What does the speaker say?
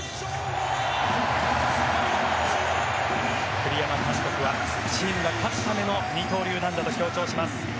栗山監督はチームが勝つための二刀流だと強調します。